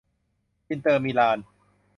อินเตอร์ มิลาน